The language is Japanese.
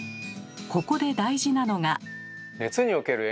ここで大事なのが。